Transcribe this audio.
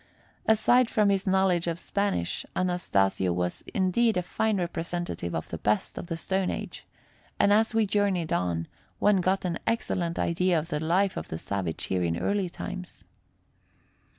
Aside from his knowledge of Spanish, Anastasio was indeed a fine representative of the best of the stone age, and as we journeyed on, one got an excellent idea of the life of the savage here in early times.